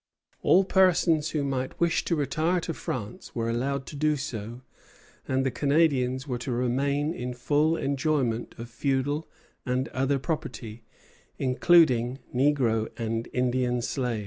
All persons who might wish to retire to France were allowed to do so, and the Canadians were to remain in full enjoyment of feudal and other property, including negro and Indian slaves.